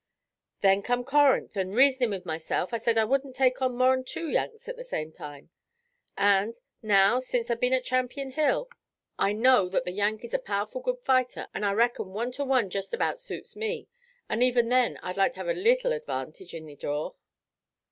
Then come Corinth, an,' reasonin' with myself, I said I wouldn't take on more'n two Yanks at the same time. An' now, since I've been at Champion Hill, I know that the Yank is a pow'ful good fighter, an' I reckon one to one jest about suits me, an' even then I'd like to have a leetle advantage in the draw."